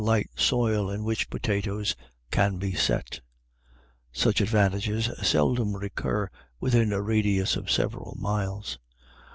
light soil in which potatoes can be set Such advantages seldom recur within a radius of several miles.